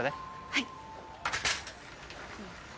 はい！